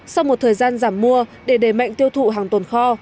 sau một thời gian giảm mua để để mạnh tiêu thụ hàng tuần kho